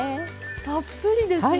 たっぷりですね。